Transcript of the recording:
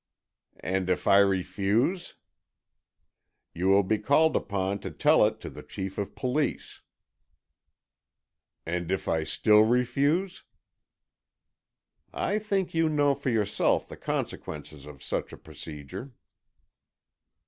"And if I refuse?" "You will be called upon to tell it to the chief of police." "And if I still refuse?" "I think you know for yourself the consequences of such a procedure."